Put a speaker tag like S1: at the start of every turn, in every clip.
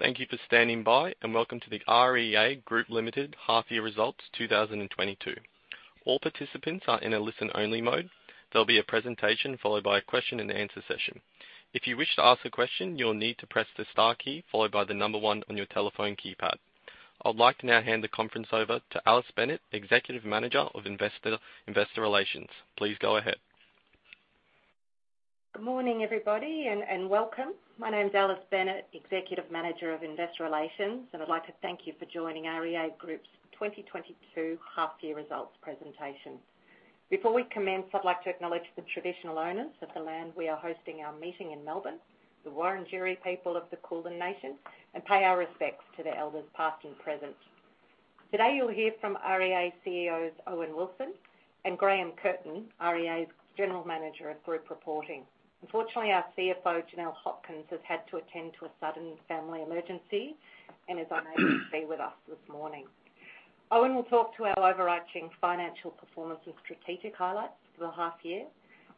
S1: Thank you for standing by, and welcome to the REA Group Ltd Half Year Results 2022. All participants are in a listen-only mode. There'll be a presentation followed by a question and answer session. If you wish to ask a question, you'll need to press the star key followed by the number one on your telephone keypad. I would like to now hand the conference over to Alice Bennett, Executive Manager of Investor Relations. Please go ahead.
S2: Good morning, everybody, and welcome. My name's Alice Bennett, Executive Manager of Investor Relations, and I'd like to thank you for joining REA Group's 2022 half year results presentation. Before we commence, I'd like to acknowledge the traditional owners of the land we are hosting our meeting in Melbourne, the Wurundjeri people of the Kulin Nation, and pay our respects to the elders past and present. Today, you'll hear from REA CEOs, Owen Wilson and Graham Curtin, REA's General Manager of Group Reporting. Unfortunately, our CFO, Janelle Hopkins, has had to attend to a sudden family emergency and is unable to be with us this morning. Owen will talk to our overarching financial performance and strategic highlights for the half year.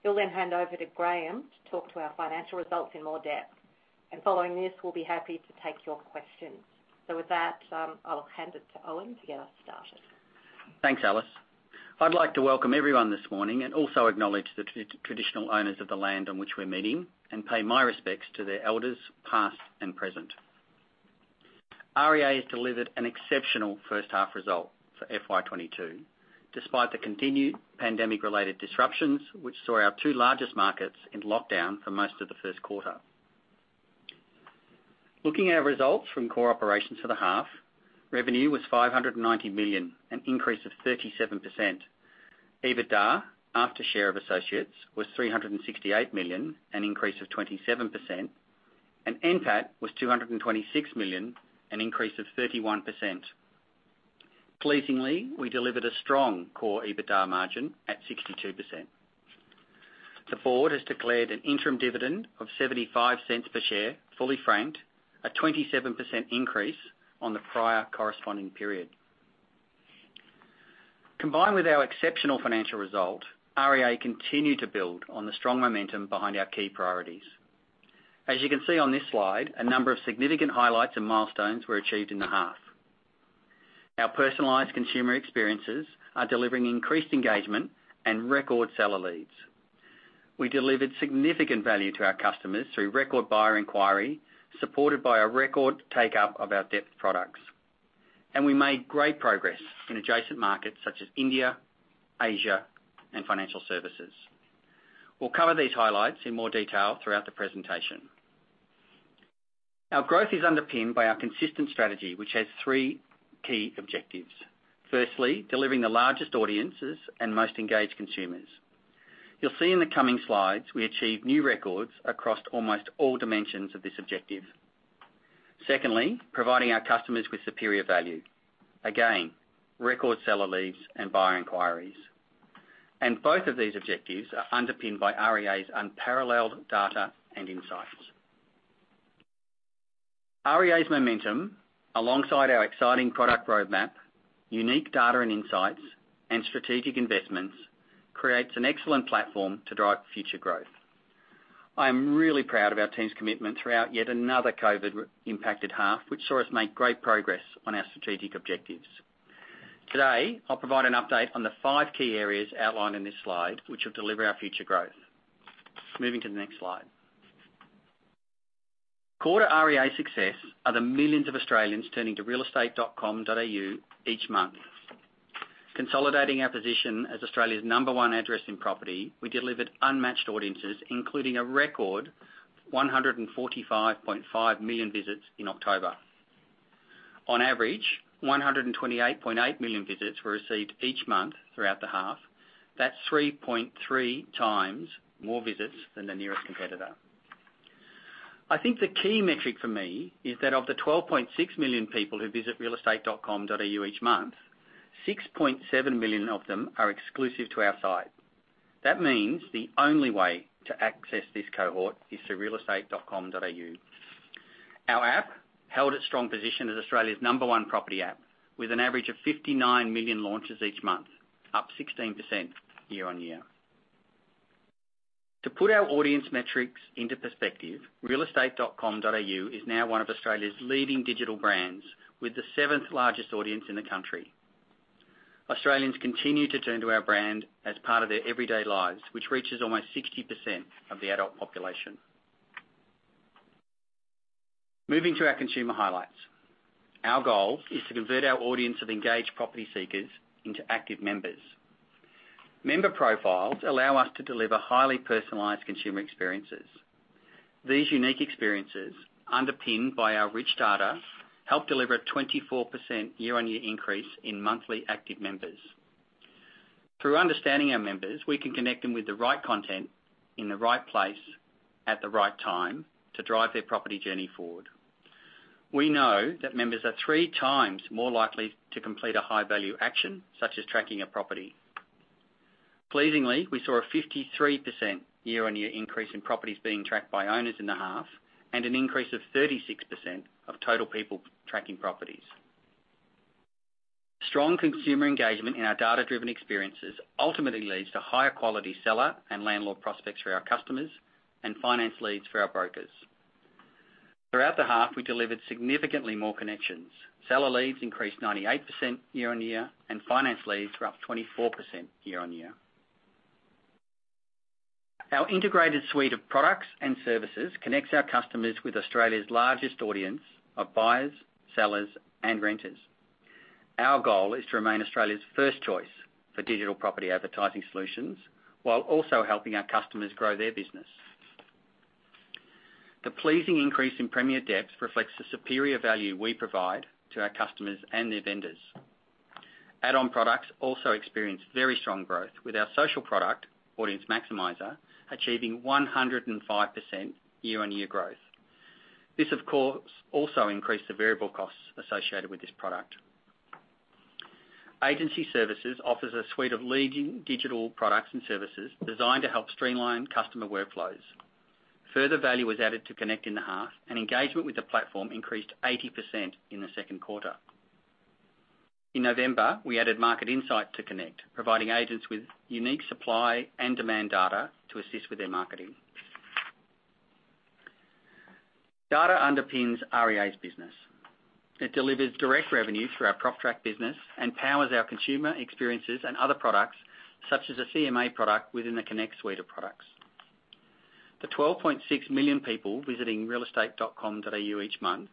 S2: He'll then hand over to Graham to talk to our financial results in more depth. Following this, we'll be happy to take your questions. With that, I'll hand it to Owen to get us started.
S3: Thanks, Alice. I'd like to welcome everyone this morning and also acknowledge the traditional owners of the land on which we're meeting and pay my respects to their elders past and present. REA has delivered an exceptional first half result for FY 2022, despite the continued pandemic-related disruptions, which saw our two largest markets in lockdown for most of the first quarter. Looking at our results from core operations for the half, revenue was 590 million, an increase of 37%. EBITDA, after share of associates, was 368 million, an increase of 27%, and NPAT was 226 million, an increase of 31%. Pleasingly, we delivered a strong core EBITDA margin at 62%. The board has declared an interim dividend of 0.75 per share, fully franked, a 27% increase on the prior corresponding period. Combined with our exceptional financial result, REA continued to build on the strong momentum behind our key priorities. As you can see on this slide, a number of significant highlights and milestones were achieved in the half. Our personalized consumer experiences are delivering increased engagement and record seller leads. We delivered significant value to our customers through record buyer inquiry, supported by a record take-up of our depth products, and we made great progress in adjacent markets such as India, Asia, and financial services. We'll cover these highlights in more detail throughout the presentation. Our growth is underpinned by our consistent strategy, which has three key objectives. Firstly, delivering the largest audiences and most engaged consumers. You'll see in the coming slides, we achieve new records across almost all dimensions of this objective. Secondly, providing our customers with superior value again, record seller leads and buyer inquiries. Both of these objectives are underpinned by REA's unparalleled data and insights. REA's momentum, alongside our exciting product roadmap, unique data and insights, and strategic investments, creates an excellent platform to drive future growth. I am really proud of our team's commitment throughout yet another COVID impacted half, which saw us make great progress on our strategic objectives. Today, I'll provide an update on the five key areas outlined in this slide, which will deliver our future growth. Moving to the next slide. Core to REA's success are the millions of Australians turning to realestate.com.au each month. Consolidating our position as Australia's number one address in property, we delivered unmatched audiences, including a record 145.5 million visits in October. On average, 128.8 million visits were received each month throughout the half. That's 3.3x more visits than the nearest competitor. I think the key metric for me is that of the 12.6 million people who visit realestate.com.au each month, 6.7 million of them are exclusive to our site. That means the only way to access this cohort is through realestate.com.au. Our app held its strong position as Australia's number one property app with an average of 59 million launches each month, up 16% year-on-year. To put our audience metrics into perspective, realestate.com.au is now one of Australia's leading digital brands with the 7th largest audience in the country. Australians continue to turn to our brand as part of their everyday lives, which reaches almost 60% of the adult population. Moving to our consumer highlights. Our goal is to convert our audience of engaged property seekers into active members. Member profiles allow us to deliver highly personalized consumer experiences. These unique experiences, underpinned by our rich data, help deliver a 24% year-on-year increase in monthly active members. Through understanding our members, we can connect them with the right content, in the right place, at the right time to drive their property journey forward. We know that members are three times more likely to complete a high-value action, such as tracking a property. Pleasingly, we saw a 53% year-on-year increase in properties being tracked by owners in the half, and an increase of 36% of total people tracking properties. Strong consumer engagement in our data-driven experiences ultimately leads to higher quality seller and landlord prospects for our customers and finance leads for our brokers. Throughout the half, we delivered significantly more connections. Seller Leads increased 98% year-over-year, and finance leads were up 24% year-over-year. Our integrated suite of products and services connects our customers with Australia's largest audience of buyers, sellers, and renters. Our goal is to remain Australia's first choice for digital property advertising solutions, while also helping our customers grow their business. The pleasing increase in premier depth reflects the superior value we provide to our customers and their vendors. Add-on products also experienced very strong growth with our social product, Audience Maximiser, achieving 105% year-over-year growth. This, of course, also increased the variable costs associated with this product. Agency Services offers a suite of leading digital products and services designed to help streamline customer workflows. Further value was added to Connect in the half, and engagement with the platform increased 80% in the second quarter. In November, we added Market Insights to Connect, providing agents with unique supply and demand data to assist with their marketing. Data underpins REA's business. It delivers direct revenue through our PropTrack business and powers our consumer experiences and other products, such as a CMA product within the Connect suite of products. The 12.6 million people visiting realestate.com.au each month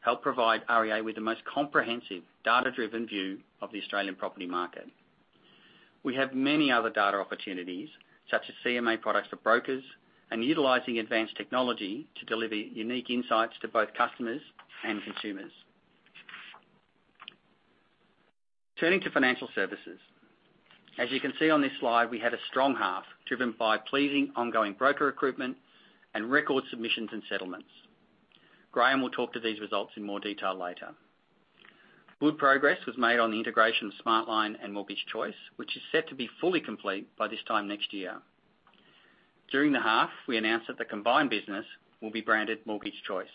S3: help provide REA with the most comprehensive data-driven view of the Australian property market. We have many other data opportunities, such as CMA products for brokers and utilizing advanced technology to deliver unique insights to both customers and consumers. Turning to financial services. As you can see on this slide, we had a strong half, driven by pleasing ongoing broker recruitment and record submissions and settlements. Graham will talk to these results in more detail later. Good progress was made on the integration of Smartline and Mortgage Choice, which is set to be fully complete by this time next year. During the half, we announced that the combined business will be branded Mortgage Choice.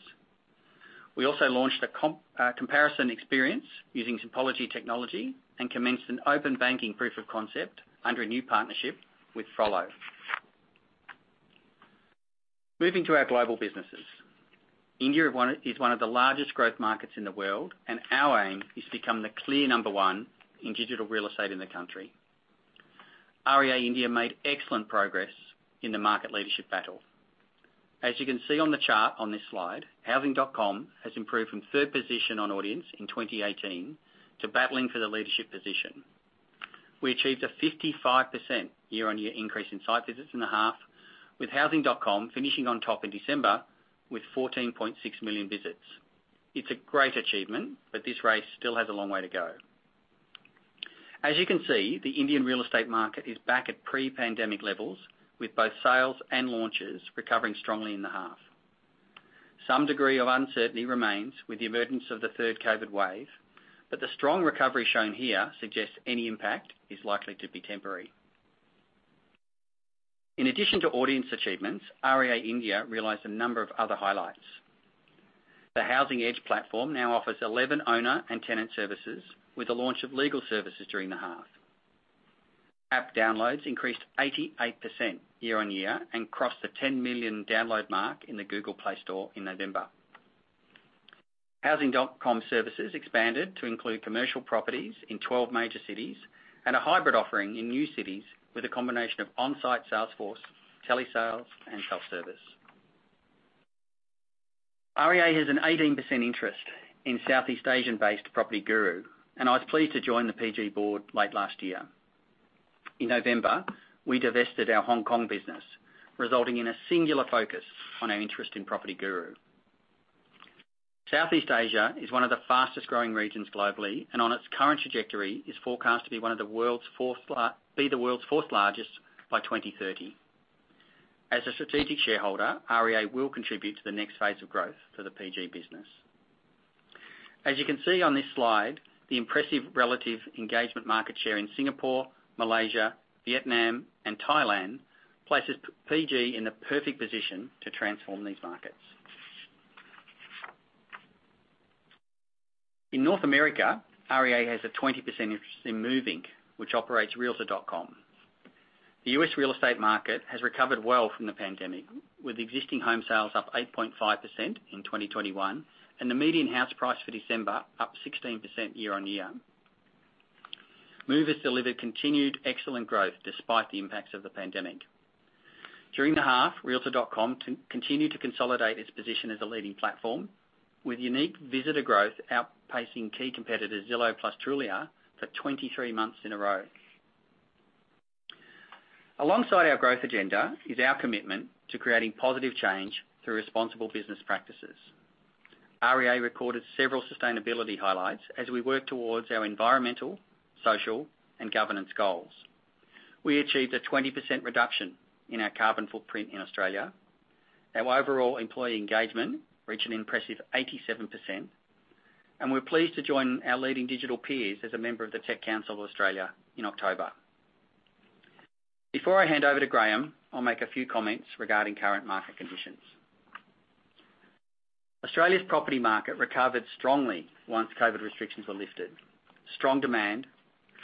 S3: We also launched a comparison experience using Simpology technology and commenced an open banking proof of concept under a new partnership with Frollo. Moving to our global businesses. India is one of the largest growth markets in the world, and our aim is to become the clear number one in digital real estate in the country. REA India made excellent progress in the market leadership battle. As you can see on the chart on this slide, housing.com has improved from third position on audience in 2018 to battling for the leadership position. We achieved a 55% year-on-year increase in site visits in the half, with housing.com finishing on top in December with 14.6 million visits. It's a great achievement, but this race still has a long way to go. As you can see, the Indian real estate market is back at pre-pandemic levels, with both sales and launches recovering strongly in the half. Some degree of uncertainty remains with the emergence of the third COVID wave, but the strong recovery shown here suggests any impact is likely to be temporary. In addition to audience achievements, REA India realized a number of other highlights. The Housing Edge platform now offers 11 owner and tenant services, with the launch of legal services during the half. App downloads increased 88% year-on-year and crossed the 10 million download mark in the Google Play Store in November. Housing.com services expanded to include commercial properties in 12 major cities and a hybrid offering in new cities with a combination of on-site sales force, telesales, and self-service. REA has an 18% interest in Southeast Asian-based PropertyGuru, and I was pleased to join the PG board late last year. In November, we divested our Hong Kong business, resulting in a singular focus on our interest in PropertyGuru. Southeast Asia is one of the fastest-growing regions globally, and on its current trajectory, is forecast to be one of the world's fourth-largest by 2030. As a strategic shareholder, REA will contribute to the next phase of growth for the PG business. As you can see on this slide, the impressive relative engagement market share in Singapore, Malaysia, Vietnam, and Thailand places PG in the perfect position to transform these markets. In North America, REA has a 20% interest in Move, Inc., which operates realtor.com. The U.S. real estate market has recovered well from the pandemic, with existing home sales up 8.5% in 2021 and the median house price for December up 16% year-on-year. Move has delivered continued excellent growth despite the impacts of the pandemic. During the half, realtor.com continued to consolidate its position as a leading platform, with unique visitor growth outpacing key competitors Zillow plus Trulia for 23 months in a row. Alongside our growth agenda is our commitment to creating positive change through responsible business practices. REA recorded several sustainability highlights as we work towards our environmental, social, and governance goals. We achieved a 20% reduction in our carbon footprint in Australia. Our overall employee engagement reached an impressive 87%, and we're pleased to join our leading digital peers as a member of the Tech Council of Australia in October. Before I hand over to Graham, I'll make a few comments regarding current market conditions. Australia's property market recovered strongly once COVID restrictions were lifted. Strong demand,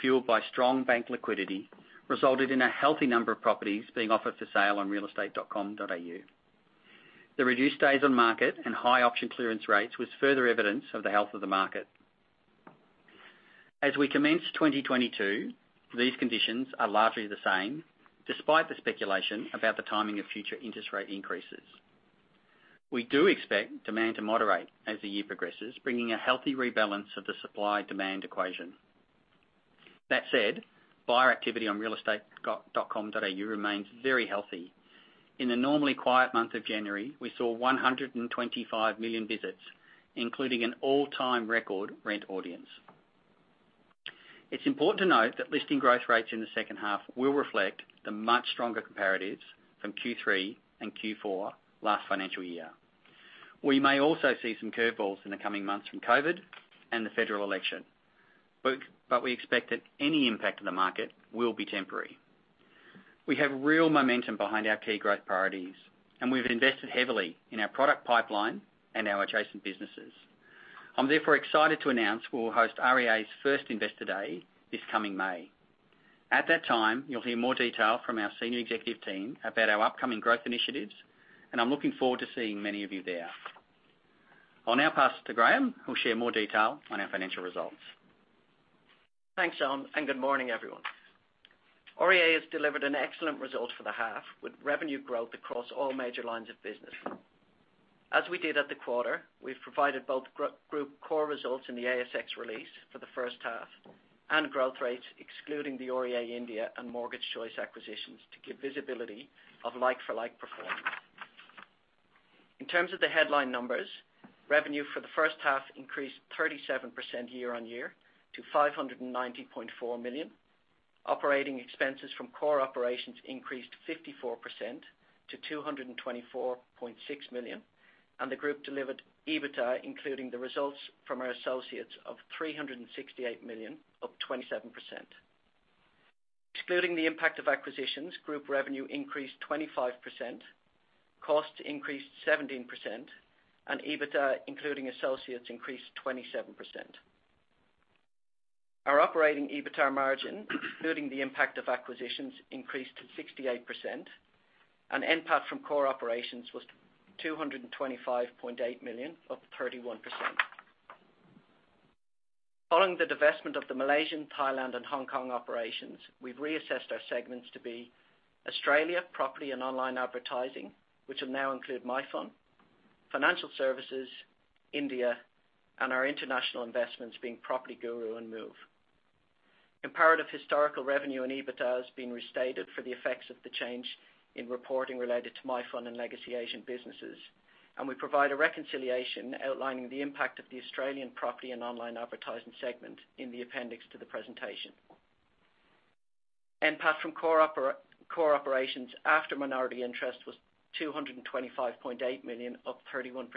S3: fueled by strong bank liquidity, resulted in a healthy number of properties being offered for sale on realestate.com.au. The reduced days on market and high auction clearance rates was further evidence of the health of the market. As we commence 2022, these conditions are largely the same, despite the speculation about the timing of future interest rate increases. We do expect demand to moderate as the year progresses, bringing a healthy rebalance of the supply-demand equation. That said, buyer activity on realestate.com.au remains very healthy. In a normally quiet month of January, we saw 125 million visits, including an all-time record rent audience. It's important to note that listing growth rates in the second half will reflect the much stronger comparatives from Q3 and Q4 last financial year. We may also see some curveballs in the coming months from COVID and the federal election, but we expect that any impact on the market will be temporary. We have real momentum behind our key growth priorities, and we've invested heavily in our product pipeline and our adjacent businesses. I'm therefore excited to announce we'll host REA's first Investor Day this coming May. At that time, you'll hear more detail from our senior executive team about our upcoming growth initiatives, and I'm looking forward to seeing many of you there. I'll now pass it to Graham, who'll share more detail on our financial results.
S4: Thanks, John, and good morning, everyone. REA has delivered an excellent result for the half, with revenue growth across all major lines of business. As we did at the quarter, we've provided both group core results in the ASX release for the first half and growth rates excluding the REA India and Mortgage Choice acquisitions to give visibility of like-for-like performance. In terms of the headline numbers, revenue for the first half increased 37% year-over-year to 590.4 million. Operating expenses from core operations increased 54% to 224.6 million. The group delivered EBITDA, including the results from our associates of 368 million, up 27%. Excluding the impact of acquisitions, group revenue increased 25%, costs increased 17%, and EBITDA, including associates, increased 27%. Our operating EBITDA margin, including the impact of acquisitions, increased to 68%, and NPAT from core operations was 225.8 million, up 31%. Following the divestment of the Malaysian, Thailand and Hong Kong operations, we've reassessed our segments to be Australia, Property and Online Advertising, which will now include MyFun, Financial Services, India and our international investments being PropertyGuru and Move. Comparative historical revenue and EBITDA has been restated for the effects of the change in reporting related to MiFun and Legacy Asian businesses, and we provide a reconciliation outlining the impact of the Australian Property and Online Advertising segment in the appendix to the presentation. NPAT from core operations after minority interest was 225.8 million, up 31%.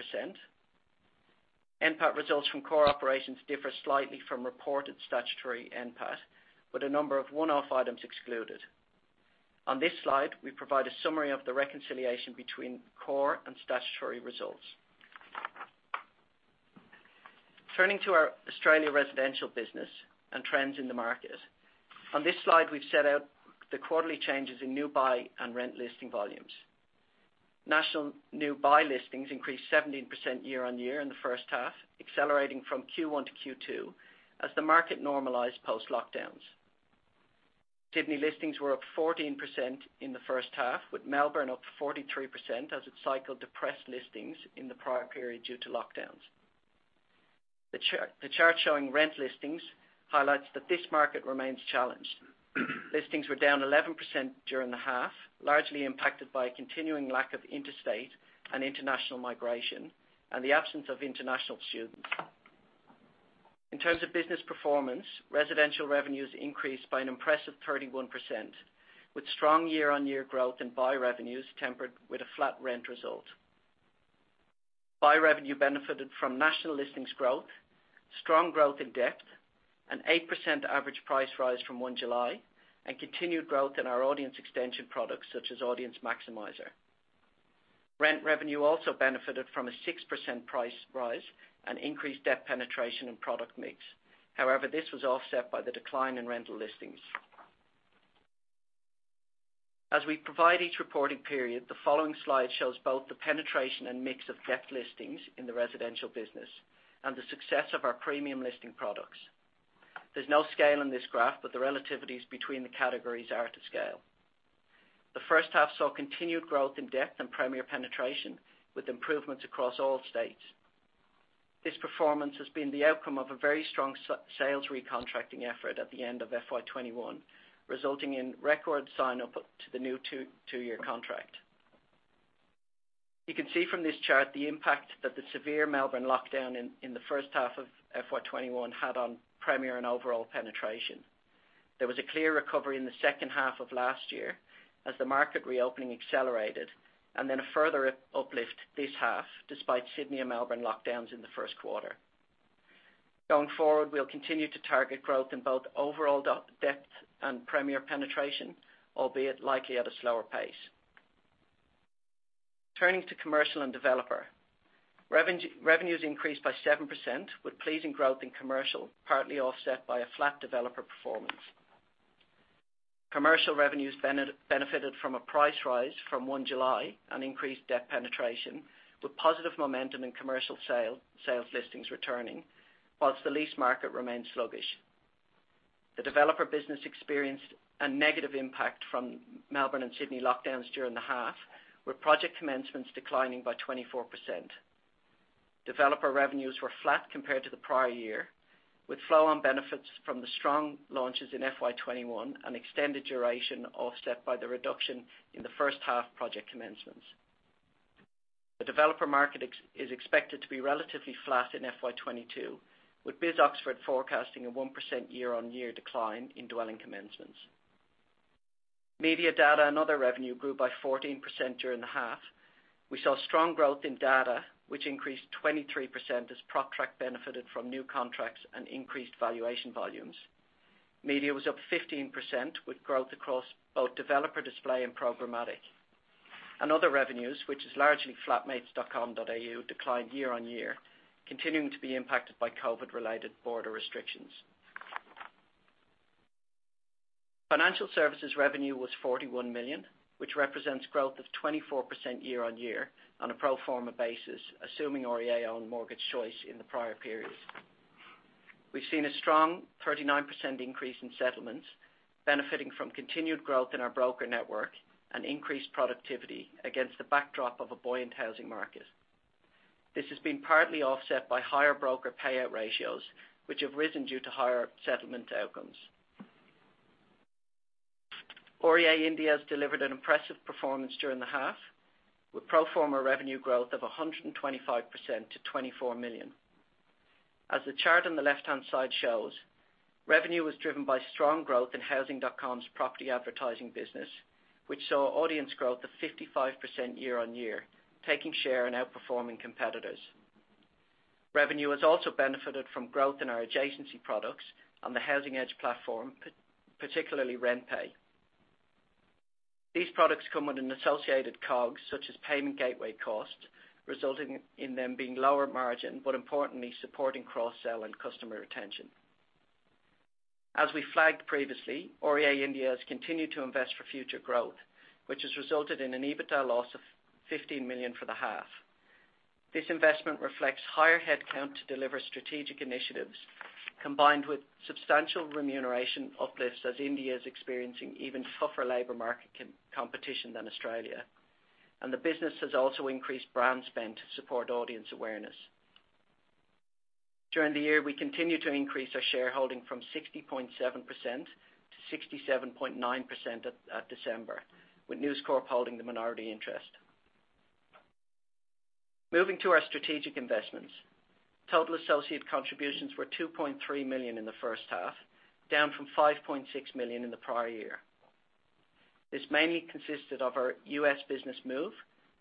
S4: NPAT results from core operations differ slightly from reported statutory NPAT, with a number of one-off items excluded. On this slide, we provide a summary of the reconciliation between core and statutory results. Turning to our Australian residential business and trends in the market. On this slide, we've set out the quarterly changes in new buy and rent listing volumes. National new buy listings increased 17% year-over-year in the first half, accelerating from Q1 to Q2 as the market normalized post-lockdowns. Sydney listings were up 14% in the first half, with Melbourne up 43% as it cycled depressed listings in the prior period due to lockdowns. The chart showing rent listings highlights that this market remains challenged. Listings were down 11% during the half, largely impacted by a continuing lack of interstate and international migration and the absence of international students. In terms of business performance, residential revenues increased by an impressive 31%, with strong year-on-year growth in buy revenues tempered with a flat rent result. Buy revenue benefited from national listings growth, strong growth in depth, an 8% average price rise from 1 July, and continued growth in our audience extension products such as Audience Maximiser. Rent revenue also benefited from a 6% price rise and increased depth penetration and product mix. However, this was offset by the decline in rental listings. As we provide each reporting period, the following slide shows both the penetration and mix of depth listings in the residential business and the success of our premium listing products. There's no scale in this graph, but the relativities between the categories are to scale. The first half saw continued growth in depth and Premiere penetration, with improvements across all states. This performance has been the outcome of a very strong sales recontracting effort at the end of FY 2021, resulting in record sign-up up to the new two year contract. You can see from this chart the impact that the severe Melbourne lockdown in the first half of FY 2021 had on Premiere and overall penetration. There was a clear recovery in the second half of last year as the market reopening accelerated, and then a further uplift this half, despite Sydney and Melbourne lockdowns in the first quarter. Going forward, we'll continue to target growth in both overall depth and Premier penetration, albeit likely at a slower pace. Turning to commercial and developer. Revenues increased by 7%, with pleasing growth in commercial, partly offset by a flat developer performance. Commercial revenues benefited from a price rise from 1 July, an increased debt penetration, with positive momentum in commercial sales listings returning, while the lease market remained sluggish. The developer business experienced a negative impact from Melbourne and Sydney lockdowns during the half, with project commencements declining by 24%. Developer revenues were flat compared to the prior year, with flow-on benefits from the strong launches in FY 2021 and extended duration offset by the reduction in the first half project commencements. The developer market is expected to be relatively flat in FY 2022, with BIS Oxford forecasting a 1% year-on-year decline in dwelling commencements. Media data and other revenue grew by 14% during the half. We saw strong growth in data, which increased 23% as PropTrack benefited from new contracts and increased valuation volumes. Media was up 15%, with growth across both developer display and programmatic. Other revenues, which is largely flatmates.com.au, declined year-on-year, continuing to be impacted by COVID-related border restrictions. Financial services revenue was 41 million, which represents growth of 24% year-on-year on a pro forma basis, assuming REA owned Mortgage Choice in the prior periods. We've seen a strong 39% increase in settlements benefiting from continued growth in our broker network and increased productivity against the backdrop of a buoyant housing market. This has been partly offset by higher broker payout ratios, which have risen due to higher settlement outcomes. REA India has delivered an impressive performance during the half, with pro forma revenue growth of 125% to 24 million. As the chart on the left-hand side shows, revenue was driven by strong growth in Housing.com's property advertising business, which saw audience growth of 55% year-over-year, taking share and outperforming competitors. Revenue has also benefited from growth in our adjacency products on the Housing Edge platform, particularly RentPay. These products come with an associated COGS, such as payment gateway costs, resulting in them being lower margin, but importantly supporting cross-sell and customer retention. As we flagged previously, REA India has continued to invest for future growth, which has resulted in an EBITDA loss of 15 million for the half. This investment reflects higher headcount to deliver strategic initiatives combined with substantial remuneration uplifts as India is experiencing even tougher labor market competition than Australia. The business has also increased brand spend to support audience awareness. During the year, we continued to increase our shareholding from 60.7%-67.9% at December, with News Corp holding the minority interest. Moving to our strategic investments. Total associate contributions were 2.3 million in the first half, down from 5.6 million in the prior year. This mainly consisted of our U.S. business Move,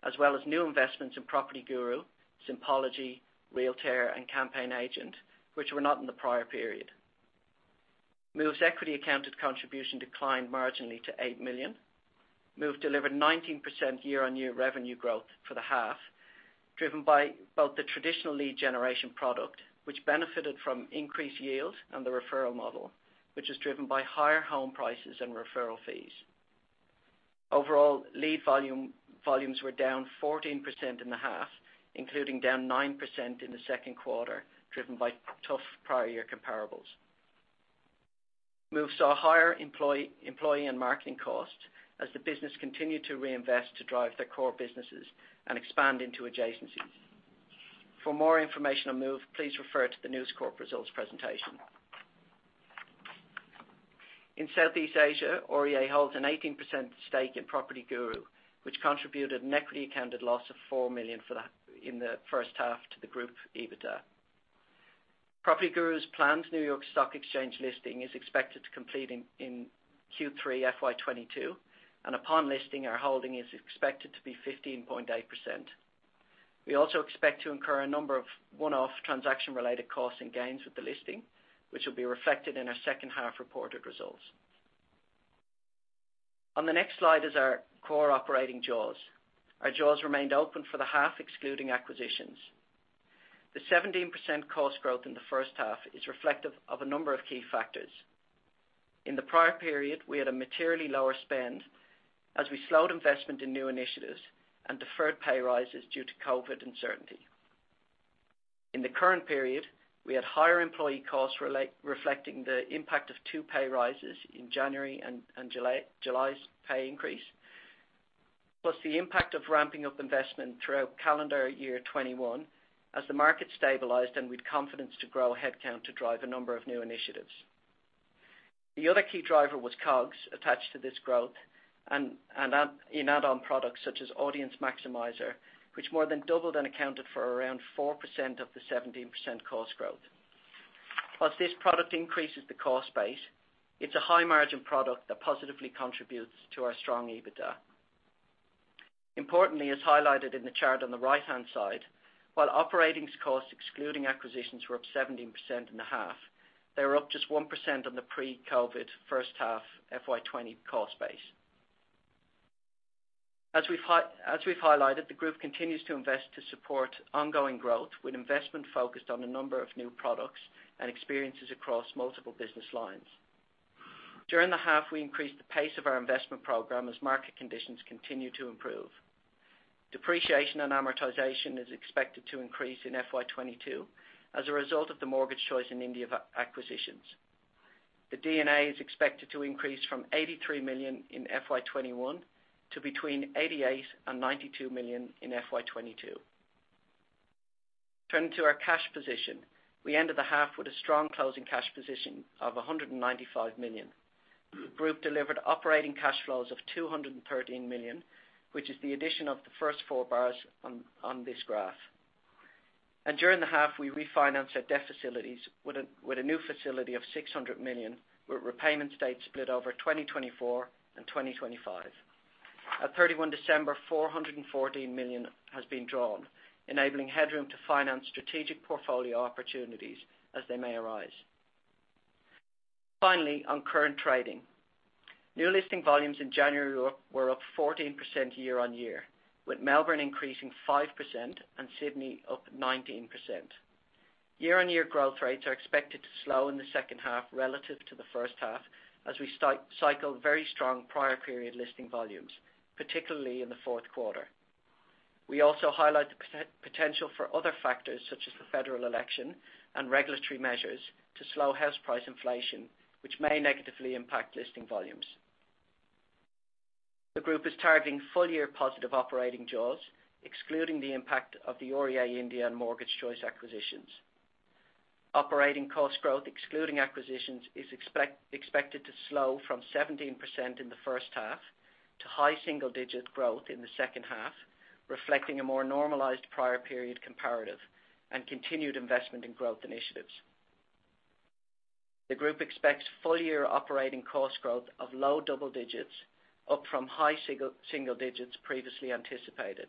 S4: as well as new investments in PropertyGuru, Simpology, Realtair, and Campaign Agent, which were not in the prior period. Move's equity accounted contribution declined marginally to 8 million. Move delivered 19% year-on-year revenue growth for the half, driven by both the traditional lead generation product, which benefited from increased yield and the referral model, which is driven by higher home prices and referral fees. Overall, lead volumes were down 14% in the half, including down 9% in the second quarter, driven by tough prior year comparables. Move saw higher employee and marketing costs as the business continued to reinvest to drive their core businesses and expand into adjacencies. For more information on Move, please refer to the News Corp results presentation. In Southeast Asia, REA holds an 18% stake in PropertyGuru, which contributed an equity accounted loss of 4 million in the first half to the group EBITDA. PropertyGuru's planned New York Stock Exchange listing is expected to complete in Q3 FY 2022, and upon listing, our holding is expected to be 15.8%. We also expect to incur a number of one-off transaction-related costs and gains with the listing, which will be reflected in our second half reported results. On the next slide is our core operating jaws. Our jaws remained open for the half excluding acquisitions. The 17% cost growth in the first half is reflective of a number of key factors. In the prior period, we had a materially lower spend as we slowed investment in new initiatives and deferred pay rises due to COVID uncertainty. In the current period, we had higher employee costs reflecting the impact of two pay rises in January and July's pay increase, plus the impact of ramping up investment throughout calendar year 2021 as the market stabilized and with confidence to grow headcount to drive a number of new initiatives. The other key driver was COGS attached to this growth and in add-on products such as Audience Maximiser, which more than doubled and accounted for around 4% of the 17% cost growth. Whilst this product increases the cost base, it's a high margin product that positively contributes to our strong EBITDA. Importantly, as highlighted in the chart on the right-hand side, while operating costs excluding acquisitions were up 17% in the half, they were up just 1% on the pre-COVID first half FY 2020 cost base. As we've highlighted, the group continues to invest to support ongoing growth with investment focused on a number of new products and experiences across multiple business lines. During the half, we increased the pace of our investment program as market conditions continue to improve. Depreciation and amortization is expected to increase in FY 2022 as a result of the Mortgage Choice and India acquisitions. The D&A is expected to increase from 83 million in FY 2021 to between 88 million and 92 million in FY 2022. Turning to our cash position, we ended the half with a strong closing cash position of 195 million. The group delivered operating cash flows of 213 million, which is the addition of the first four bars on this graph. During the half, we refinanced our debt facilities with a new facility of 600 million, with repayment dates split over 2024 and 2025. At 31 December, 414 million has been drawn, enabling headroom to finance strategic portfolio opportunities as they may arise. Finally, on current trading. New listing volumes in January were up 14% year-over-year, with Melbourne increasing 5% and Sydney up 19%. Year-over-year growth rates are expected to slow in the second half relative to the first half as we cycle very strong prior period listing volumes, particularly in the fourth quarter. We also highlight the potential for other factors, such as the federal election and regulatory measures to slow house price inflation, which may negatively impact listing volumes. The group is targeting full-year positive operating jaws, excluding the impact of the REA India and Mortgage Choice acquisitions. Operating cost growth, excluding acquisitions, is expected to slow from 17% in the first half to high single digit growth in the second half, reflecting a more normalized prior period comparative and continued investment in growth initiatives. The group expects full-year operating cost growth of low double digits up from high single digits previously anticipated,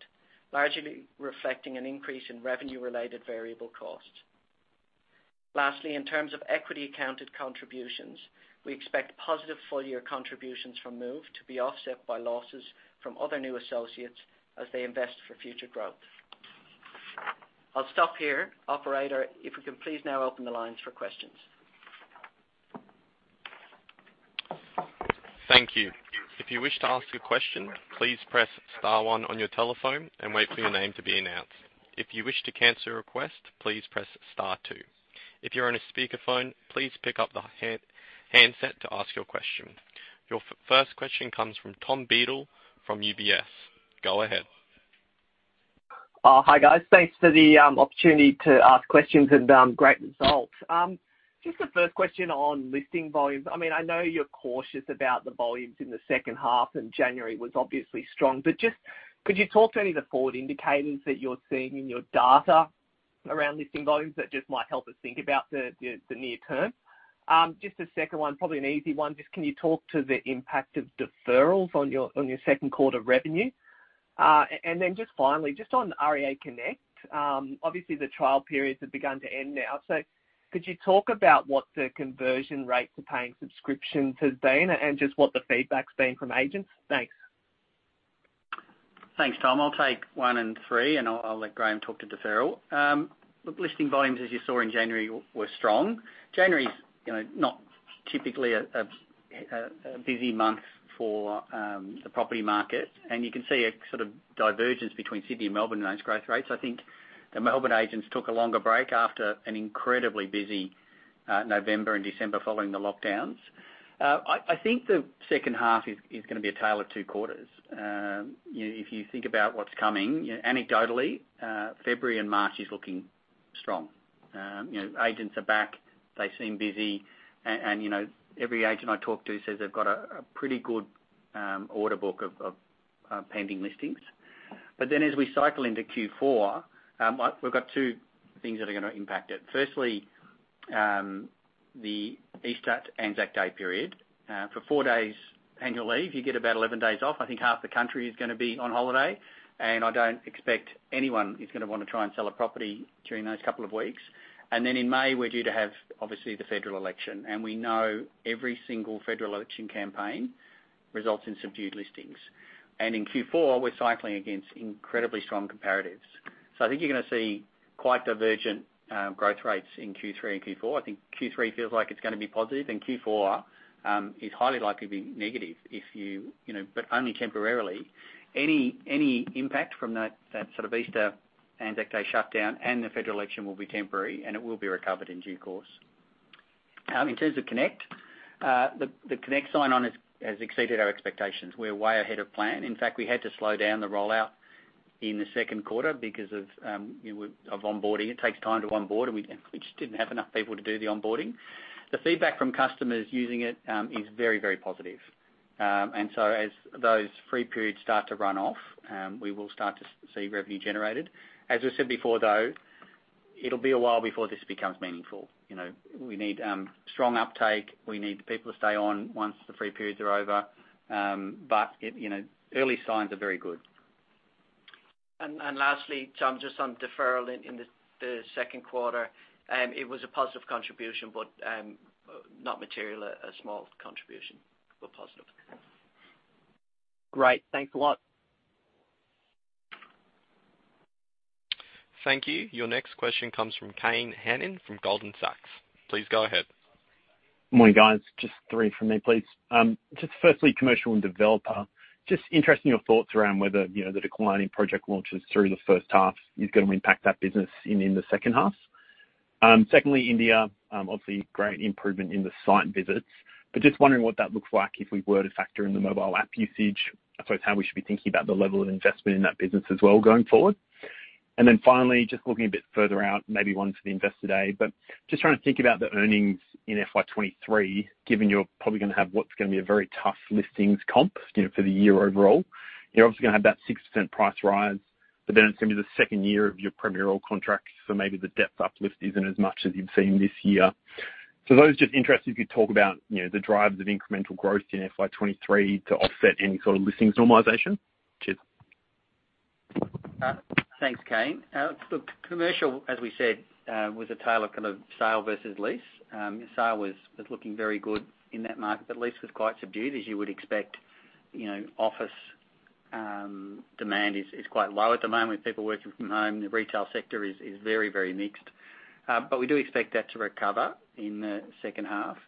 S4: largely reflecting an increase in revenue-related variable costs. Lastly, in terms of equity accounted contributions, we expect positive full-year contributions from Move to be offset by losses from other new associates as they invest for future growth. I'll stop here. Operator, if we can please now open the lines for questions.
S1: Thank you. If you wish to ask a question, please press star one on your telephone and wait for your name to be announced. If you wish to cancel your request, please press star two. If you're on a speakerphone, please pick up the handset to ask your question. Your first question comes from Tom Beadle from UBS. Go ahead.
S5: Hi, guys. Thanks for the opportunity to ask questions and great results. Just the first question on listing volumes. I mean, I know you're cautious about the volumes in the second half, and January was obviously strong. Just could you talk to any of the forward indicators that you're seeing in your data around listing volumes that just might help us think about the near term? Just a second one, probably an easy one. Just can you talk to the impact of deferrals on your second quarter revenue? And then just finally, just on REA Connect, obviously, the trial periods have begun to end now. Could you talk about what the conversion rates for paying subscriptions has been and just what the feedback's been from agents? Thanks.
S3: Thanks, Tom. I'll take one and three, and I'll let Graham talk to deferral. Look, listing volumes, as you saw in January, were strong. January is, you know, not typically a busy month for the property market, and you can see a sort of divergence between Sydney and Melbourne in those growth rates. I think the Melbourne agents took a longer break after an incredibly busy November and December following the lockdowns. I think the second half is gonna be a tale of two quarters. You know, if you think about what's coming, anecdotally, February and March is looking strong. You know, agents are back. They seem busy. And, you know, every agent I talk to says they've got a pretty good order book of pending listings. As we cycle into Q4, we've got two things that are gonna impact it. First, the Easter Anzac Day period. For four days annual leave, you get about 11 days off. I think half the country is gonna be on holiday, and I don't expect anyone is gonna wanna try and sell a property during those couple of weeks. In May, we're due to have, obviously, the federal election, and we know every single federal election campaign results in subdued listings. In Q4, we're cycling against incredibly strong comparatives. I think you're gonna see quite divergent growth rates in Q3 and Q4. I think Q3 feels like it's gonna be positive, and Q4 is highly likely to be negative, you know, but only temporarily. Any impact from that sort of Easter, Anzac Day shutdown and the federal election will be temporary, and it will be recovered in due course. In terms of Connect, the Connect sign-on has exceeded our expectations. We're way ahead of plan. In fact, we had to slow down the rollout in the second quarter because of you know, onboarding. It takes time to onboard, and we just didn't have enough people to do the onboarding. The feedback from customers using it is very positive. As those free periods start to run off, we will start to see revenue generated. As we said before, though It'll be a while before this becomes meaningful. You know, we need strong uptake. We need people to stay on once the free periods are over. But it, you know, early signs are very good.
S4: I'm just on deferral in the second quarter. It was a positive contribution, but not material, a small contribution, but positive.
S5: Great. Thanks a lot.
S1: Thank you. Your next question comes from Kane Hannan from Goldman Sachs. Please go ahead.
S6: Morning, guys. Just three from me, please. Just firstly, commercial and developer. Just interested in your thoughts around whether, you know, the declining project launches through the first half is gonna impact that business in the second half. Secondly, India, obviously great improvement in the site visits, but just wondering what that looks like if we were to factor in the mobile app usage. I suppose how we should be thinking about the level of investment in that business as well going forward. Finally, just looking a bit further out, maybe one for the investor day, but just trying to think about the earnings in FY 2023, given you're probably gonna have what's gonna be a very tough listings comp, you know, for the year overall. You're obviously gonna have that 6% price rise, but then it's gonna be the second year of your Premiere contract. Maybe the depth uplift isn't as much as you've seen this year. Those just interested, if you'd talk about, you know, the drivers of incremental growth in FY 2023 to offset any sort of listings normalization. Cheers.
S3: Thanks, Kane. Look, commercial, as we said, was a tale of kind of sale versus lease. Sale was looking very good in that market, but lease was quite subdued, as you would expect. You know, office demand is quite low at the moment with people working from home. The retail sector is very, very mixed. We do expect that to recover in the second half.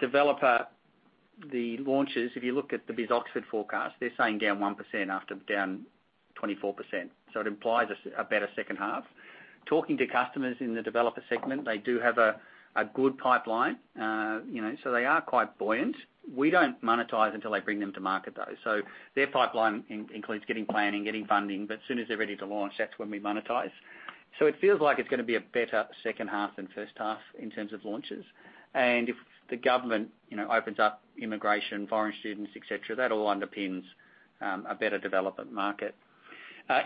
S3: Developer launches, if you look at the BIS Oxford forecast, they're saying down 1% after down 24%. It implies a better second half. Talking to customers in the developer segment, they do have a good pipeline. You know, they are quite buoyant. We don't monetize until they bring them to market, though. Their pipeline includes getting planning, getting funding, but as soon as they're ready to launch, that's when we monetize. It feels like it's gonna be a better second half than first half in terms of launches. If the government, you know, opens up immigration, foreign students, et cetera, that all underpins a better development market.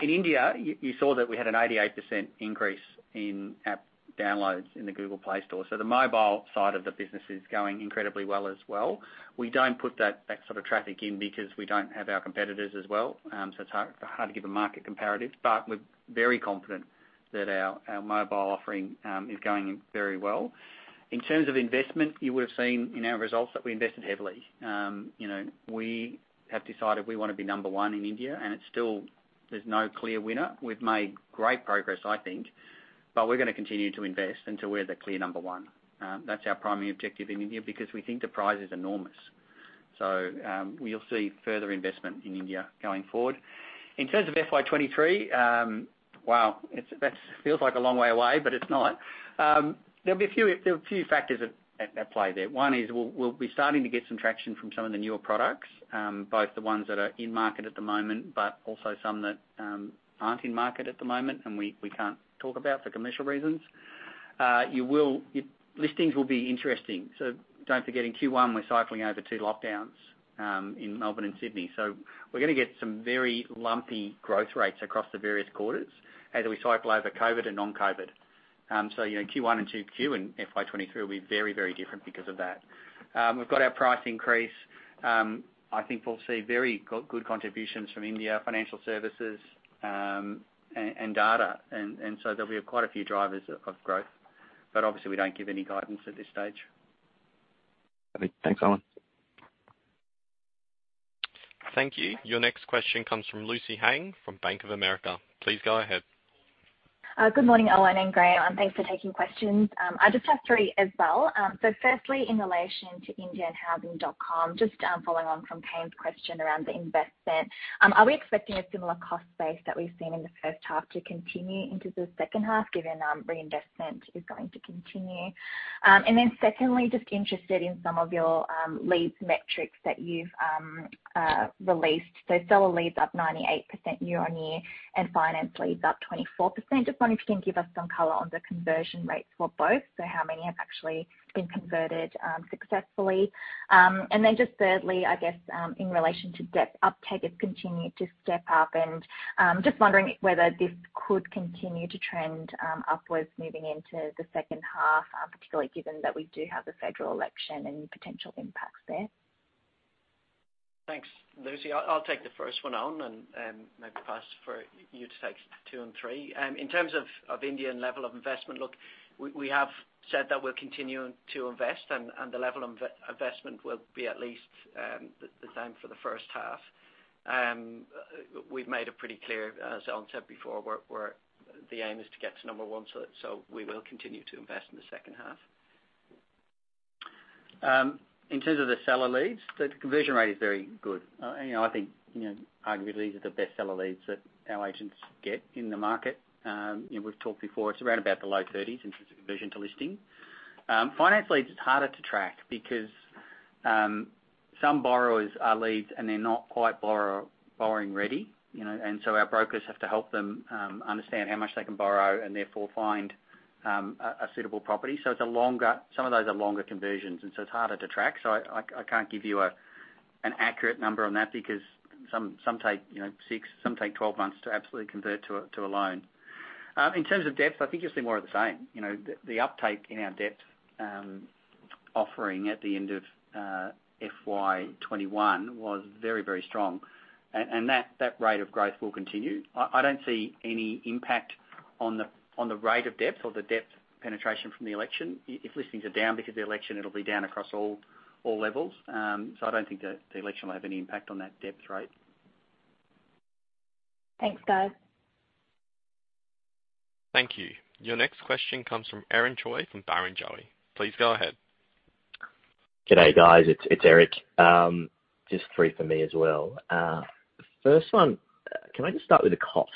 S3: In India, you saw that we had an 88% increase in app downloads in the Google Play Store. The mobile side of the business is going incredibly well as well. We don't put that sort of traffic in because we don't have our competitors as well. It's hard to give a market comparative, but we're very confident that our mobile offering is going very well. In terms of investment, you would've seen in our results that we invested heavily. You know, we have decided we wanna be number one in India, and it's still, there's no clear winner. We've made great progress, I think, but we're gonna continue to invest until we're the clear number one. That's our primary objective in India because we think the prize is enormous. We'll see further investment in India going forward. In terms of FY 2023, wow, that feels like a long way away, but it's not. There are a few factors at play there. One is we'll be starting to get some traction from some of the newer products, both the ones that are in market at the moment, but also some that aren't in market at the moment and we can't talk about for commercial reasons. Listings will be interesting. Don't forget in Q1, we're cycling over two lockdowns in Melbourne and Sydney. We're gonna get some very lumpy growth rates across the various quarters as we cycle over COVID and non-COVID. You know, Q1 and Q2 in FY 2023 will be very, very different because of that. We've got our price increase. I think we'll see very good contributions from India, financial services, and data. There'll be quite a few drivers of growth. Obviously, we don't give any guidance at this stage.
S6: Thanks, Owen Wilson.
S1: Thank you. Your next question comes from Lucy Huang from Bank of America. Please go ahead.
S7: Good morning, Owen and Graham. Thanks for taking questions. I just have three as well. Firstly, in relation to housing.com, just following on from Kane's question around the investment, are we expecting a similar cost base that we've seen in the first half to continue into the second half, given reinvestment is going to continue? Then secondly, just interested in some of your leads metrics that you've released. Seller Leads up 98% year-on-year and finance leads up 24%. Just wondering if you can give us some color on the conversion rates for both. So how many have actually been converted successfully? Thirdly, I guess, in relation to debt uptake, it's continued to step up. Just wondering whether this could continue to trend upwards moving into the second half, particularly given that we do have the federal election and potential impacts there.
S4: Thanks, Lucy. I'll take the first one on and maybe pass it to you to take two and three. In terms of the level of investment in India, look, we have said that we're continuing to invest and the level of investment will be at least the same for the first half. We've made it pretty clear, as Owen Wilson said before. The aim is to get to number one, so we will continue to invest in the second half.
S3: In terms of the Seller Leads, the conversion rate is very good. You know, I think, you know, arguably these are the best Seller Leads that our agents get in the market. You know, we've talked before, it's around about the low 30s% in terms of conversion to listing. Finance leads is harder to track because some borrowers are leads, and they're not quite borrowing ready, you know? Our brokers have to help them understand how much they can borrow and therefore find a suitable property. It's longer, some of those are longer conversions, and so it's harder to track. I can't give you an accurate number on that because some take, you know, six, some take 12 months to absolutely convert to a loan. In terms of depth, I think you'll see more of the same. You know, the uptake in our depth offering at the end of FY 2021 was very strong. That rate of growth will continue. I don't see any impact on the rate of depth or the depth penetration from the election. If listings are down because of the election, it'll be down across all levels. I don't think the election will have any impact on that depth rate.
S7: Thanks, guys.
S1: Thank you. Your next question comes from Eric Choi from Barrenjoey. Please go ahead.
S8: Good day, guys. It's Eric. Just three for me as well. First one, can I just start with the cost?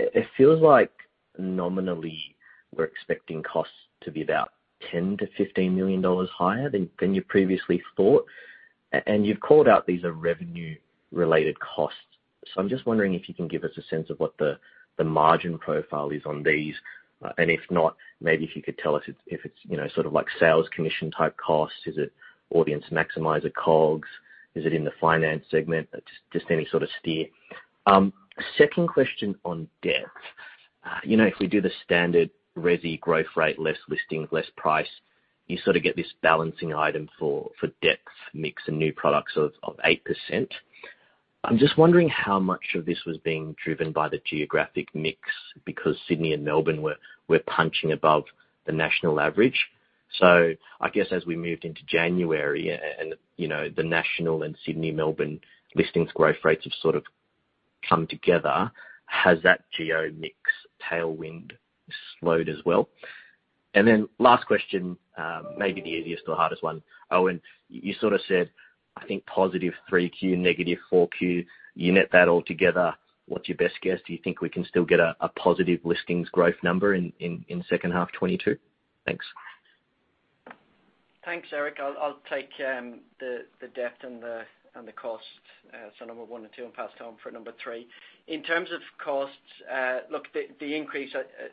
S8: It feels like nominally we're expecting costs to be about 10 million-15 million dollars higher than you previously thought. You've called out these are revenue-related costs. I'm just wondering if you can give us a sense of what the margin profile is on these. If not, maybe if you could tell us if it's you know sort of like sales commission type costs. Is it Audience Maximiser COGS? Is it in the finance segment? Just any sort of steer. Second question on depth. You know if we do the standard resi growth rate less listings less price you sort of get this balancing item for depth mix and new products of 8%. I'm just wondering how much of this was being driven by the geographic mix because Sydney and Melbourne were punching above the national average. I guess as we moved into January and, you know, the national and Sydney/Melbourne listings growth rates have sort of come together, has that geo mix tailwind slowed as well? Last question, maybe the easiest or hardest one. Owen, you sort of said, I think positive 3Q, negative 4Q, you net that all together, what's your best guess? Do you think we can still get a positive listings growth number in second half 2022? Thanks.
S4: Thanks, Eric. I'll take the debt and the cost. Number one and two, and pass Tom for number three. In terms of costs, look, the increase,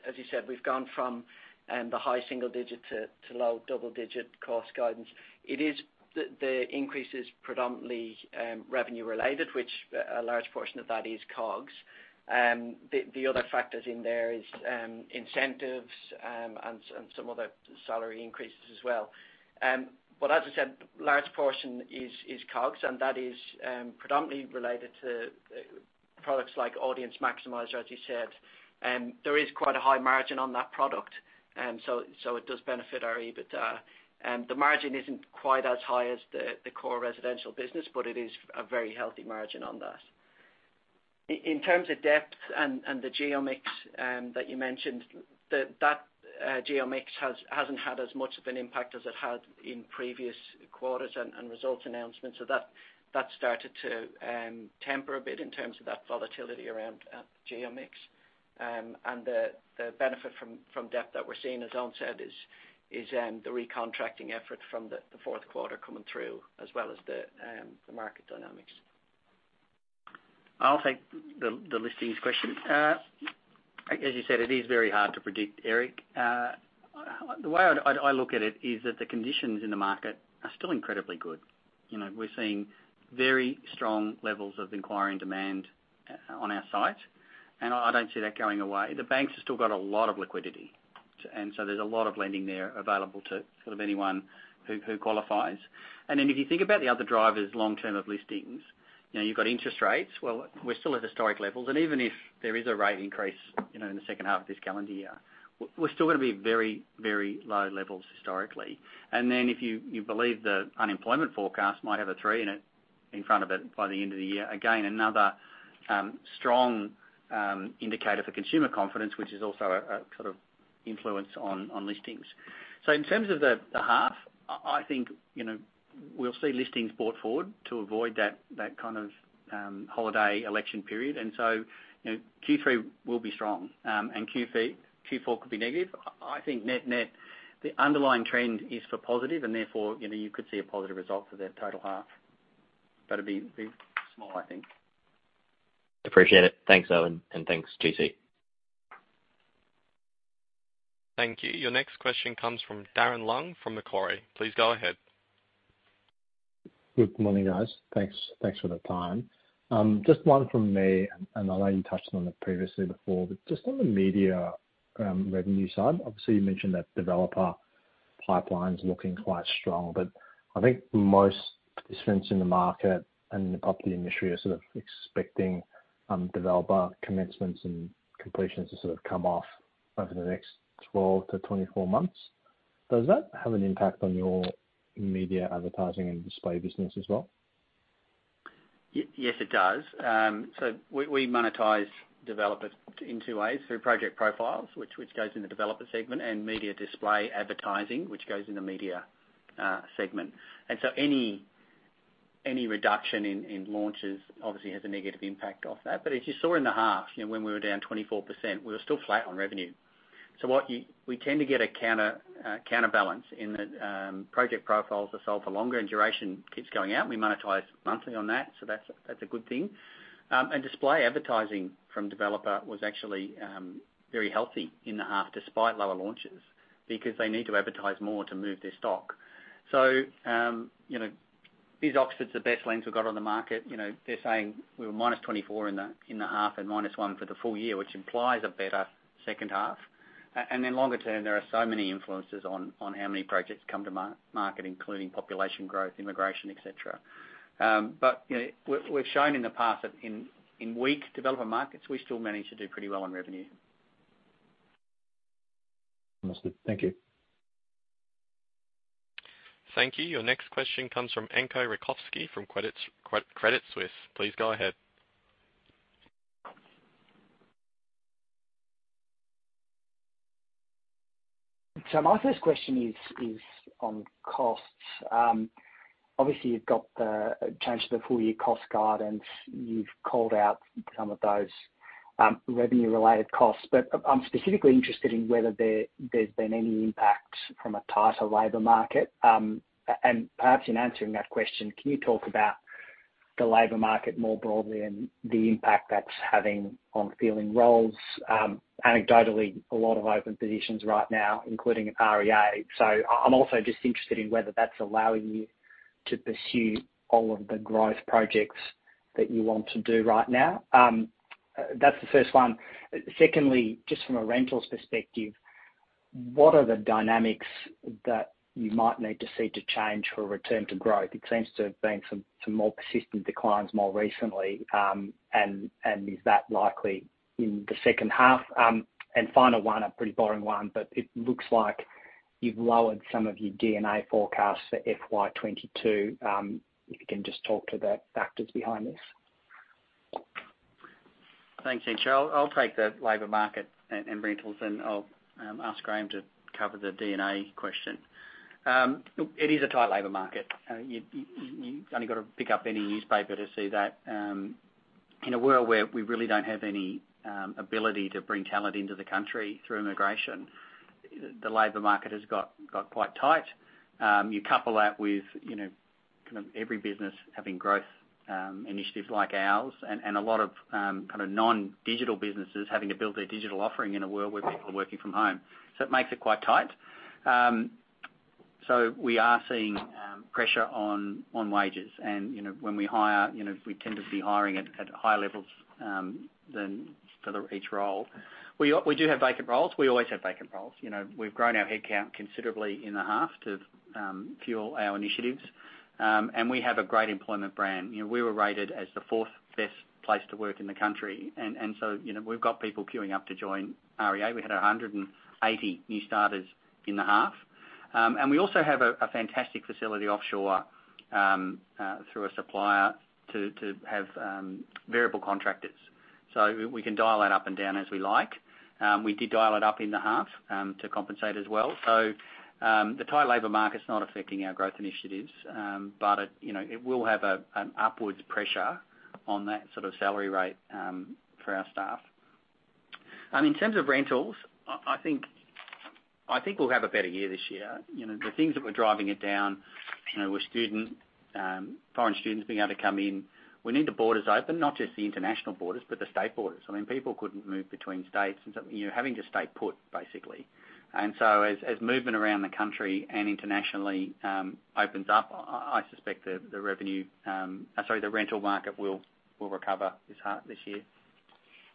S4: as you said, we've gone from the high single digit to low double digit cost guidance. The increase is predominantly revenue related, which a large portion of that is COGS. The other factors in there is incentives and some other salary increases as well. As I said, large portion is COGS, and that is predominantly related to products like Audience Maximiser, as you said. There is quite a high margin on that product, so it does benefit our EBITDA. The margin isn't quite as high as the core residential business, but it is a very healthy margin on that. In terms of depth and the geo mix that you mentioned, that geo mix hasn't had as much of an impact as it had in previous quarters and results announcements. That started to temper a bit in terms of that volatility around geo mix. The benefit from depth that we're seeing, as Owen said, is the recontracting effort from the fourth quarter coming through, as well as the market dynamics.
S3: I'll take the listings question. As you said, it is very hard to predict, Eric. The way I'd look at it is that the conditions in the market are still incredibly good. You know, we're seeing very strong levels of inquiry and demand on our site, and I don't see that going away. The banks have still got a lot of liquidity, and so there's a lot of lending there available to sort of anyone who qualifies. Then if you think about the other drivers long term of listings, you know, you've got interest rates. Well, we're still at historic levels. Even if there is a rate increase, you know, in the second half of this calendar year, we're still gonna be very low levels historically. If you believe the unemployment forecast might have a three in it in front of it by the end of the year, again, another strong indicator for consumer confidence, which is also a sort of influence on listings. In terms of the half, I think you know, we'll see listings brought forward to avoid that kind of holiday election period. You know, Q3 will be strong and Q4 could be negative. I think net-net, the underlying trend is for positive and therefore, you know, you could see a positive result for that total half, but it'd be small, I think.
S8: Appreciate it. Thanks, Owen, and thanks, GC.
S1: Thank you. Your next question comes from Darren Leung from Macquarie. Please go ahead.
S9: Good morning, guys. Thanks for the time. Just one from me, and I know you touched on it previously before, but just on the media revenue side, obviously you mentioned that developer pipeline's looking quite strong. I think most participants in the market and the property industry are sort of expecting developer commencements and completions to sort of come off over the next 12-24 months. Does that have an impact on your media advertising and display business as well?
S3: Yes, it does. We monetize developers in two ways, through project profiles, which goes in the developer segment, and media display advertising, which goes in the media segment. Any reduction in launches obviously has a negative impact of that. But as you saw in the half, when we were down 24%, we were still flat on revenue. We tend to get a counterbalance in that, project profiles are sold for longer and duration keeps going out. We monetize monthly on that's a good thing. Display advertising from developers was actually very healthy in the half despite lower launches because they need to advertise more to move their stock. BIS Oxford's the best lens we've got on the market. You know, they're saying we were -24% in the half and -1% for the full year, which implies a better second half. Longer term, there are so many influences on how many projects come to market, including population growth, immigration, et cetera. You know, we've shown in the past that in weak developer markets, we still manage to do pretty well on revenue.
S9: Understood. Thank you.
S1: Thank you. Your next question comes from Entcho Raykovski from Credit Suisse. Please go ahead.
S10: My first question is on costs. Obviously, you've got the change to the full year cost guidance. You've called out some of those revenue-related costs, but I'm specifically interested in whether there's been any impact from a tighter labor market. And perhaps in answering that question, can you talk about the labor market more broadly and the impact that's having on filling roles? Anecdotally, a lot of open positions right now, including at REA. I'm also just interested in whether that's allowing you to pursue all of the growth projects that you want to do right now. That's the first one. Secondly, just from a rentals perspective, what are the dynamics that you might need to see to change for a return to growth? It seems to have been some more persistent declines more recently. Is that likely in the second half? Final one, a pretty boring one, but it looks like you've lowered some of your D&A forecasts for FY 2022. If you can just talk to the factors behind this.
S3: Thanks, Anko. I'll take the labor market and rentals, and I'll ask Graham to cover the D&A question. Look, it is a tight labor market. You only gotta pick up any newspaper to see that. In a world where we really don't have any ability to bring talent into the country through immigration, the labor market has got quite tight. You couple that with, you know, kind of every business having growth initiatives like ours and a lot of kind of non-digital businesses having to build their digital offering in a world where people are working from home. It makes it quite tight. We are seeing pressure on wages. You know, when we hire, you know, we tend to be hiring at higher levels than for each role. We do have vacant roles. We always have vacant roles. You know, we've grown our headcount considerably in the half to fuel our initiatives. We have a great employment brand. You know, we were rated as the fourth best place to work in the country. You know, we've got people queuing up to join REA. We had 180 new starters in the half. We also have a fantastic facility offshore through a supplier to have variable contractors. We can dial that up and down as we like. We did dial it up in the half to compensate as well. The tight labor market's not affecting our growth initiatives. You know, it will have an upward pressure on that sort of salary rate for our staff. In terms of rentals, I think we'll have a better year this year. You know, the things that were driving it down, you know, were foreign students being able to come in. We need the borders open, not just the international borders, but the state borders. I mean, people couldn't move between states and so, you know, having to stay put basically. As movement around the country and internationally opens up, I suspect the rental market will recover this year.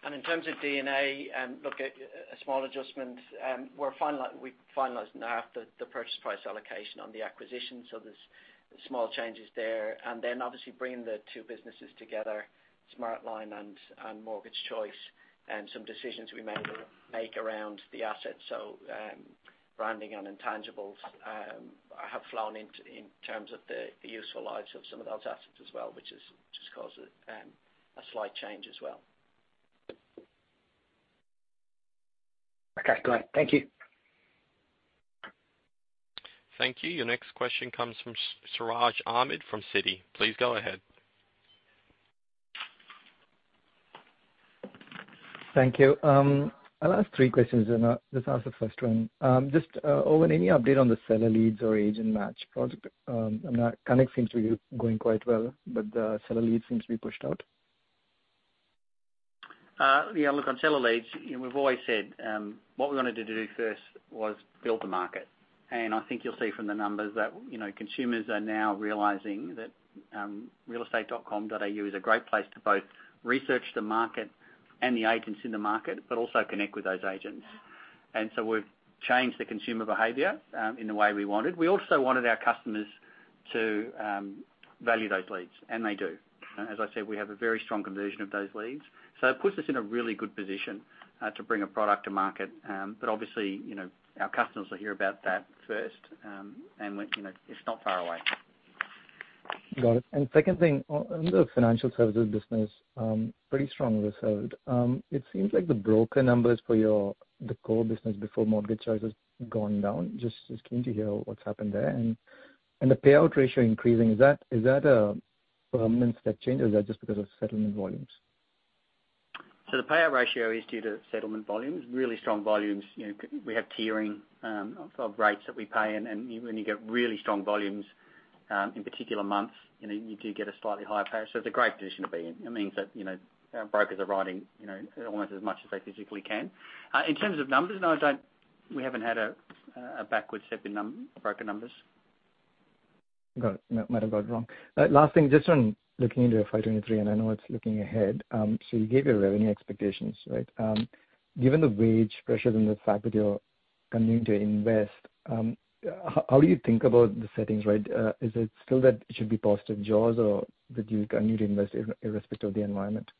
S4: In terms of D&A and look at a small adjustment, we finalized now the purchase price allocation on the acquisition. There's small changes there. Then obviously bringing the two businesses together, Smartline and Mortgage Choice and some decisions we may make around the assets. Branding and intangibles have flown into in terms of the useful lives of some of those assets as well, which has just caused a slight change as well.
S10: Okay, great. Thank you.
S1: Thank you. Your next question comes from Siraj Ahmed from Citi. Please go ahead.
S11: Thank you. I'll ask three questions and I'll just ask the first one. Just Owen, any update on the Seller Leads or Agent Match product? I mean, Connect seems to be going quite well, but the Seller Leads seems to be pushed out.
S3: Yeah, look, on Seller Leads, we've always said what we wanted to do first was build the market. I think you'll see from the numbers that, you know, consumers are now realizing that realestate.com.au is a great place to both research the market and the agents in the market, but also connect with those agents. We've changed the consumer behavior in the way we wanted. We also wanted our customers to value those leads, and they do. As I said, we have a very strong conversion of those leads, so it puts us in a really good position to bring a product to market. Obviously, you know, our customers will hear about that first, and you know, it's not far away.
S11: Got it. Second thing, on the financial services business, pretty strongly served. It seems like the broker numbers for your the core business before Mortgage Choice has gone down. Just keen to hear what's happened there. The payout ratio increasing, is that a permanent step change or is that just because of settlement volumes?
S3: The payout ratio is due to settlement volumes, really strong volumes. We have tiering of rates that we pay. When you get really strong volumes in particular months, you do get a slightly higher payout. It's a great position to be in. It means that our brokers are writing almost as much as they physically can. In terms of numbers, we haven't had a backwards step in broker numbers.
S11: Got it. No, might have got it wrong. Last thing, just on looking into FY 2023, and I know it's looking ahead. So you gave your revenue expectations, right? Given the wage pressures and the fact that you're continuing to invest, how do you think about the settings, right? Is it still that it should be positive jaws or that you continue to invest irrespective of the environment?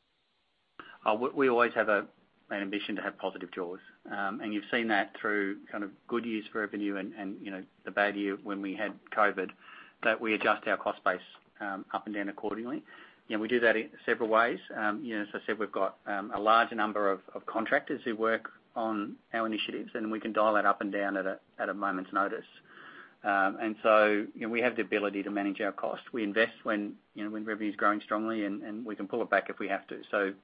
S3: We always have an ambition to have positive jaws. You've seen that through kind of good years for revenue and, you know, the bad year when we had COVID, that we adjust our cost base up and down accordingly. You know, we do that in several ways. You know, as I said, we've got a large number of contractors who work on our initiatives, and we can dial that up and down at a moment's notice. You know, we have the ability to manage our cost. We invest when revenue's growing strongly and we can pull it back if we have to.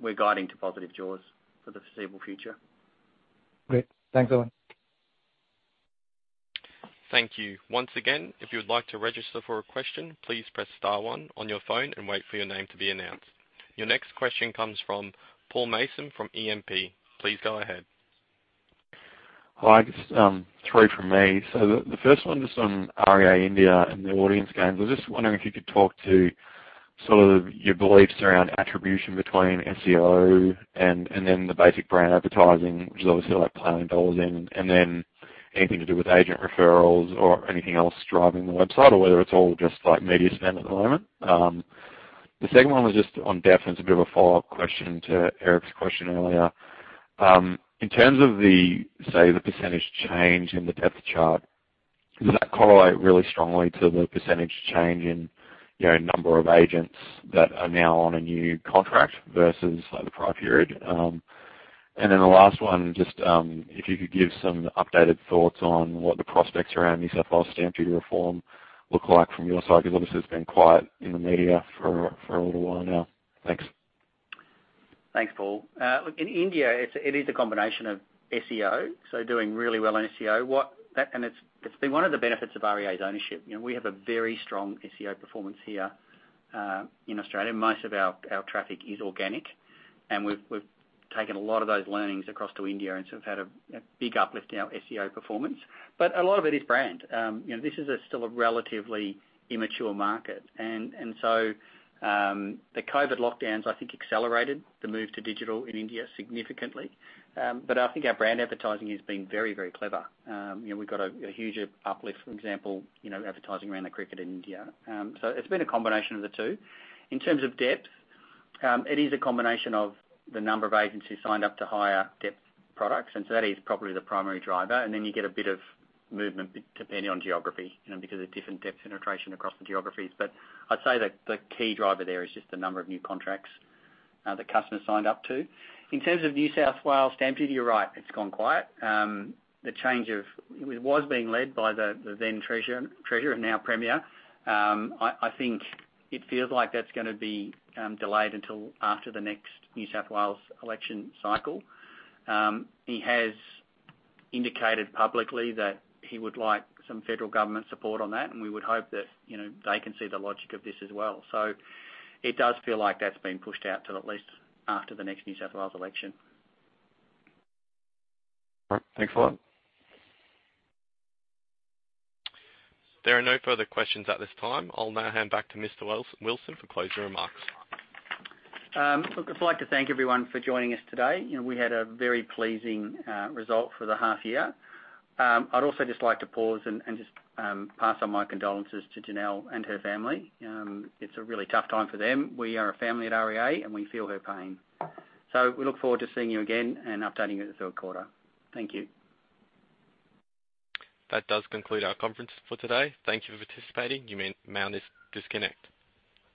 S3: We're guiding to positive jaws for the foreseeable future.
S11: Great. Thanks a lot.
S1: Thank you. Once again, if you would like to register for a question, please press star one on your phone and wait for your name to be announced. Your next question comes from Paul Mason from E&P. Please go ahead.
S12: Hi, just three from me. The first one just on REA India and the audience gains. I was just wondering if you could talk to sort of your beliefs around attribution between SEO and then the basic brand advertising, which is obviously like planning dollars in, and then anything to do with agent referrals or anything else driving the website, or whether it's all just like media spend at the moment. The second one was just on depth, and it's a bit of a follow-up question to Eric's question earlier. In terms of, say, the percentage change in the depth chart, does that correlate really strongly to the percentage change in, you know, number of agents that are now on a new contract versus, like, the prior period? The last one, just, if you could give some updated thoughts on what the prospects around New South Wales stamp duty reform look like from your side 'cause obviously it's been quiet in the media for a little while now. Thanks.
S3: Thanks, Paul. Look, in India it is a combination of SEO, so doing really well on SEO. It's been one of the benefits of REA's ownership. You know, we have a very strong SEO performance here in Australia, most of our traffic is organic, and we've taken a lot of those learnings across to India and sort of had a big uplift in our SEO performance. A lot of it is brand. You know, this is still a relatively immature market and so the COVID lockdowns, I think accelerated the move to digital in India significantly. I think our brand advertising has been very clever. You know, we've got a huge uplift, for example, you know, advertising around the cricket in India. It's been a combination of the two. In terms of depth, it is a combination of the number of agents who signed up to higher depth products, and so that is probably the primary driver. Then you get a bit of movement depending on geography, you know, because of different depth penetration across the geographies. I'd say that the key driver there is just the number of new contracts that customers signed up to. In terms of New South Wales stamp duty, you're right, it's gone quiet. It was being led by the then Treasurer and now Premier. I think it feels like that's gonna be delayed until after the next New South Wales election cycle. He has indicated publicly that he would like some federal government support on that, and we would hope that, you know, they can see the logic of this as well. It does feel like that's been pushed out till at least after the next New South Wales election.
S12: All right. Thanks a lot.
S1: There are no further questions at this time. I'll now hand back to Mr. Owen Wilson for closing remarks.
S3: Look, I'd like to thank everyone for joining us today. You know, we had a very pleasing result for the half year. I'd also just like to pause and just pass on my condolences to Janelle and her family. It's a really tough time for them. We are a family at REA, and we feel her pain. We look forward to seeing you again and updating you at the third quarter. Thank you.
S1: That does conclude our conference for today. Thank you for participating. You may disconnect.